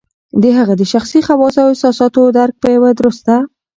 د هغه د شخصي خواصو او احساساتو درک په یوه درسته